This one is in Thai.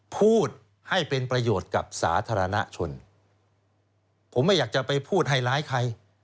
พูดให้เป็นประโยชน์กับสาธารณชนผมไม่อยากจะไปพูดให้ร้ายใคร